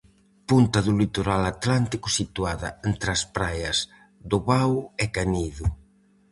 Punta do litoral atlántico situada entre as praias do Vao e Canido.